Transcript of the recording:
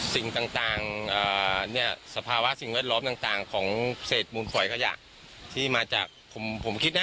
สิ่งต่างเนี่ยสภาวะสิ่งแวดล้อมต่างของเศษมูลฝอยขยะที่มาจากผมคิดนะ